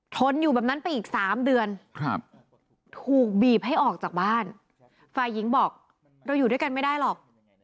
นอยู่แบบนั้นไปอีก๓เดือนถูกบีบให้ออกจากบ้านฝ่ายหญิงบอกเราอยู่ด้วยกันไม่ได้หรอก